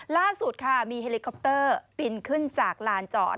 ล่าสุดค่ะมีเฮลิคอปเตอร์บินขึ้นจากลานจอด